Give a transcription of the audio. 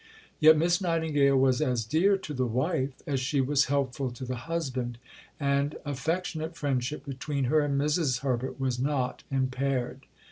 Yet Miss Nightingale was as dear to the wife as she was helpful to the husband, and affectionate friendship between her and Mrs. Herbert was not impaired.